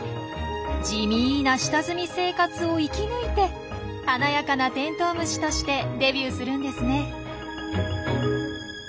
地味な下積み生活を生き抜いて華やかなテントウムシとしてデビューするんですね。